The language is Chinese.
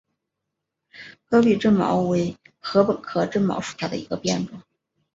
戈壁针茅为禾本科针茅属下的一个变种。